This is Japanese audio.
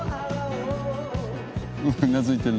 うなずいてる。